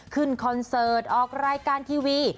คอนเสิร์ตออกรายการทีวี